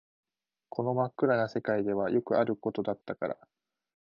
この真っ暗な世界ではよくあることだったから